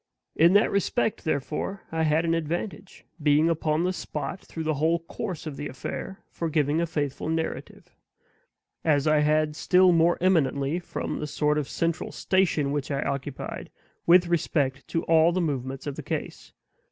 In that respect, therefore, I had an advantage, being upon the spot through the whole course of the affair, for giving a faithful narrative; as I had still more eminently, from the sort of central station which I occupied, with respect to all the movements of the case.